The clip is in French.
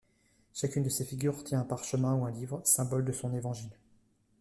Chacune de ces figures tient un parchemin ou un livre, symbole de son évangile.